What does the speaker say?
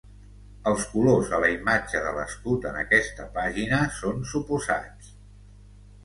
Els colors a la imatge de l'escut en aquesta pàgina són suposats.